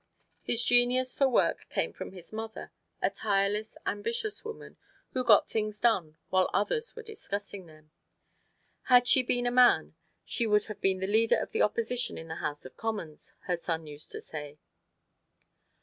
His genius for work came from his mother, a tireless, ambitious woman, who got things done while others were discussing them. "Had she been a man, she would have been leader of the Opposition in the House of Commons," her son used to say.